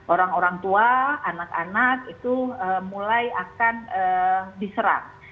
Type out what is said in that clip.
orang orang tua anak anak itu mulai akan diserang